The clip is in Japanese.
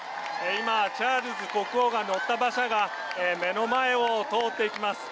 今、チャールズ国王が乗った馬車が目の前を通っていきます。